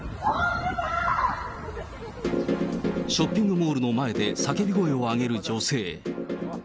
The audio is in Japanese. ショッピングモールの前で叫び声を上げる女性。